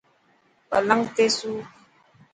پلنگ تي سو.